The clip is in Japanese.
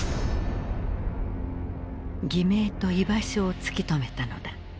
偽名と居場所を突き止めたのだ。